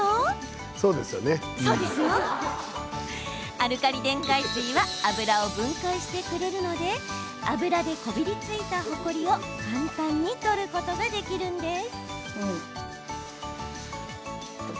アルカリ電解水は油を分解してくれるので油でこびりついたほこりを簡単に取ることができるんです。